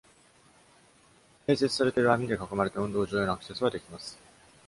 併設されている網で囲まれた運動場へのアクセスはできます。